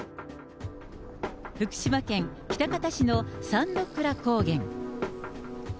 福島県喜多方市の三ノ倉高原。